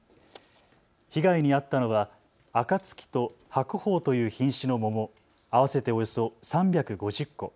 被害に遭ったのはあかつきと白鳳という品種の桃合わせておよそ３５０個。